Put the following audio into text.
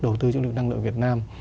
đầu tư trong lĩnh vực năng lượng việt nam